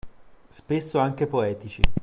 Spesso anche poetici.